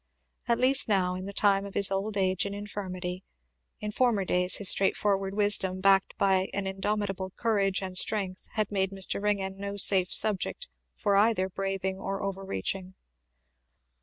At least now, in the time of his old age and infirmity; in former days his straightforward wisdom backed by an indomitable courage and strength had made Mr. Ringgan no safe subject for either braving or overreaching.